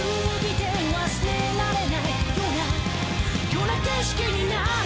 「ような景色になる」